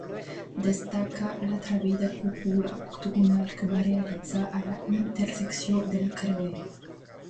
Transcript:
Destaca l'atrevida cúpula octogonal que va realitzar a la intersecció del creuer.